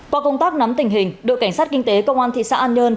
qua công tác nắm tình hình đội cảnh sát kinh tế công an thị xã an nhơn